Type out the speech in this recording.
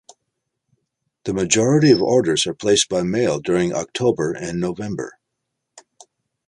The majority of orders are placed by mail during October and November.